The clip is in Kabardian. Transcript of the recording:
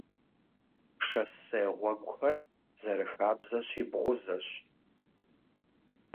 Шоссе гъуэгухэр, зэрыхабзэщи, бгъузэщ.